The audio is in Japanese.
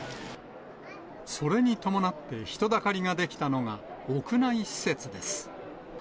それに伴って人だかりが出来たのが、屋内施設です。